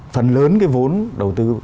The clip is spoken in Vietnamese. phần lớn cái vốn đầu tư